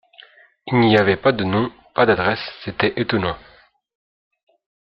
Il n’y avait pas de nom, pas d’adresse, c’était étonnant.